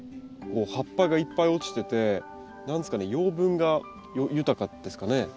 こう葉っぱがいっぱい落ちてて何ですかね養分が豊かですかね？